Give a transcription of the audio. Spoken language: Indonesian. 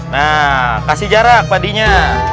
nah kasih jarak padinya